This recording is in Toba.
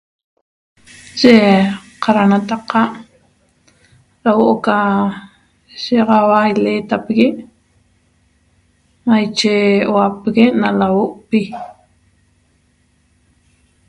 Ye qaranataqa' ra huo'o ca shigaxaua iletapigui' maiche huapegue' na lauo'pi